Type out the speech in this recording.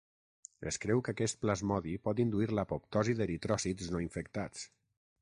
Es creu que aquest plasmodi pot induir l'apoptosi d'eritròcits no infectats.